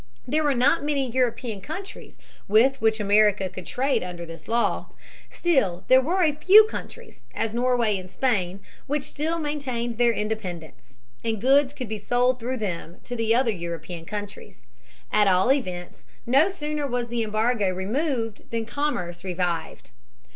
There were not many European countries with which America could trade under this law. Still there were a few countries, as Norway and Spain, which still maintained their independence. And goods could be sold through them to the other European countries. At all events, no sooner was the embargo removed than commerce revived.